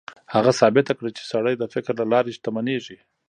هغه ثابته کړه چې سړی د فکر له لارې شتمنېږي.